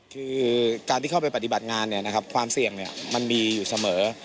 คือการที่เข้าไปปฏิบัติงานความเสี่ยงมันมีอยู่เสมอ